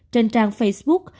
trên trang facebook